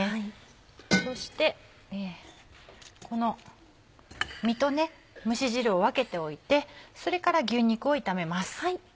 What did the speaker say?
そしてこの身と蒸し汁を分けておいてそれから牛肉を炒めます。